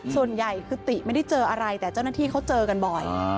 ส่วนใหญ่คือติไม่ได้เจออะไรแต่เจ้าหน้าที่เขาเจอกันบ่อย